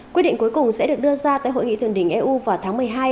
quyết định cuối cùng sẽ được đưa ra tại hội nghị thượng đỉnh eu vào tháng một mươi hai